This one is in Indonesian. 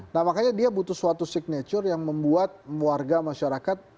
nah makanya dia butuh suatu signature yang membuat warga masyarakat